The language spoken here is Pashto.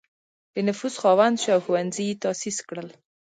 د نفوذ خاوند شو او ښوونځي یې تأسیس کړل.